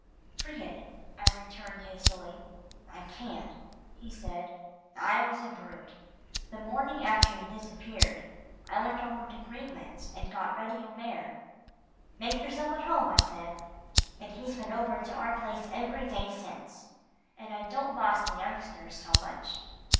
"Forget it," I returned hastily. "I can't," he said. "I was a brute. The morning after you disappeared, I went over to Greenlands and got Reddy O'Mare. 'Make yourself at home,' I said, and he's been over to our place every day since, and I don't boss the youngsters so much.